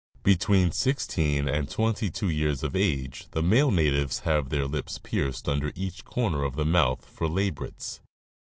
Between sixteen and twenty two years of age the male natives have their lips pierced under each corner of the mouth for labrets.